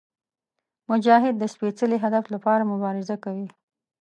مجاهد د سپېڅلي هدف لپاره مبارزه کوي.